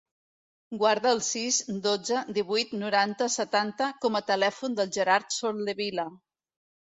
Guarda el sis, dotze, divuit, noranta, setanta com a telèfon del Gerard Soldevila.